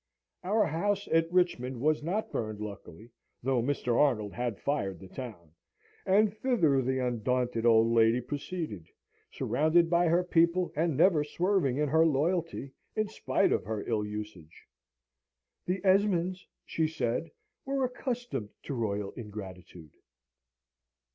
Our house at Richmond was not burned, luckily, though Mr. Arnold had fired the town; and thither the undaunted old lady proceeded, surrounded by her people, and never swerving in her loyalty, in spite of her ill usage. "The Esmonds," she said, "were accustomed to Royal ingratitude."